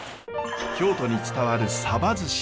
京都に伝わるサバ寿司。